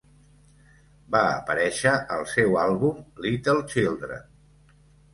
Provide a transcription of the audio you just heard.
Va aparèixer al seu àlbum, "Little Children".